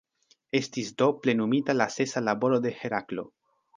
Estis do plenumita la sesa laboro de Heraklo.